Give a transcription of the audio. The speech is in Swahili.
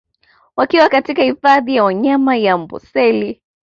Wakiwa katika hifadhi ya wanyama ya Amboseli